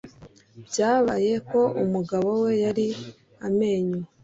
Byabaye ko umugabo we yari amenyo